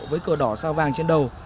với cờ đỏ sao vàng trên đầu